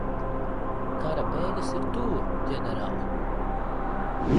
Kara beigas ir tuvu, ģenerāl.